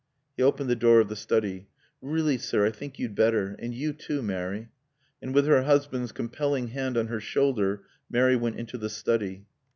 He opened the door of the study. "Really, sir, I think you'd better. And you, too, Mary." And with her husband's compelling hand on her shoulder Mary went into the study.